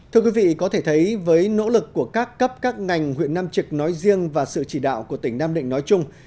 thưa quý vị có thể thấy với nỗ lực của các cấp các ngành huyện nam trực nói riêng và sự chỉ đạo của tỉnh nam định nói chung